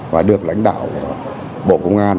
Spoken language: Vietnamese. và được lãnh đạo của bộ công an